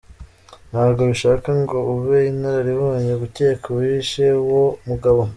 Ntabwo bishaka ngo ube inararibonye gukeka uwishe uwo mugabo.